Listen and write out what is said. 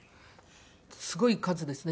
すごい数ですね。